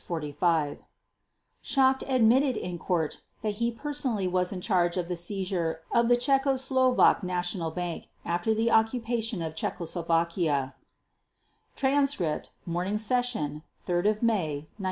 Schacht admitted in Court that he personally was in charge of the seizure of the Czechoslovak National Bank after the occupation of Czechoslovakia (Transcript, Morning Session, 3 May 1946).